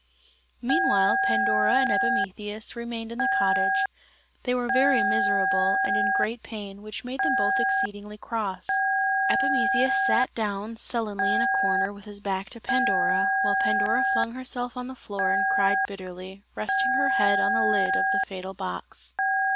Meanwhile Pandora and Epimetheus remained in the cottage: they were very miserable and in great pain, which made them both exceedingly cross. Epimetheus sat down sullenly in a corner with his back to Pandora, while Pandora flung herself on the floor and cried bitterly, resting her head on the lid of the fatal box.